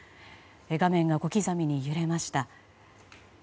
画面が小刻みに揺れました。